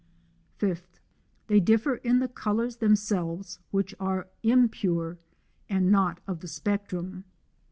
(5) They differ in the colours themselves, which are im pure and not of the spectrum.